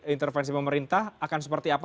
intervensi pemerintah akan seperti apa